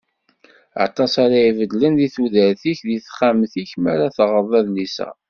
Aṭas ara ibeddlen deg tudert-ik d ttexmam-ik mi ara teɣreḍ adlis-a.